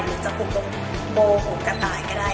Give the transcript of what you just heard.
หรือจะผูกตรงโบว์ผูกกระต่ายก็ได้